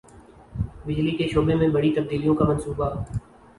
بجلی کے شعبے میں بڑی تبدیلوں کا منصوبہ